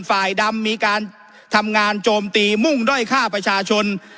ฝ่ายดำมีการทำงานโจมตีมุ่งด้อยฆ่าประชาชน